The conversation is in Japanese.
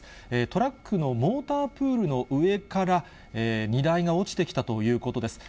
トラックのモータープールの上から荷台が落ちてきたということです。